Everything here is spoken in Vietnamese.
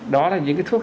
đó là những cái thuốc